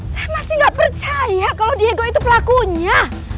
saya masih gak percaya kalau diego itu pelakunya